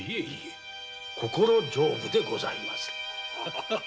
心丈夫でございます。